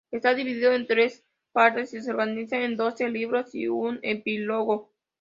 Está dividido en tres partes y se organiza en doce libros y un epílogo.